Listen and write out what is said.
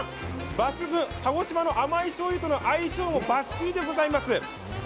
抜群、鹿児島の甘いしょうゆとの相性もバッチリでございます。